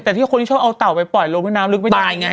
แต่ที่คนที่ชอบเอาเต่าไปปล่อยลงแม่น้ำลึกไม่ได้ไง